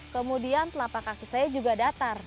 kemudian telapak kaki saya juga datar